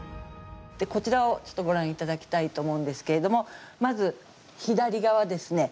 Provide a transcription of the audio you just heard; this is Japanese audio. こちらをご覧いただきたいと思うんですけれどもまず、左側ですね。